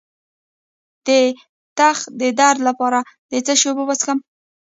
د تخه د درد لپاره د څه شي اوبه وڅښم؟